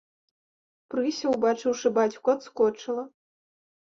Прыся, убачыўшы бацьку, адскочыла.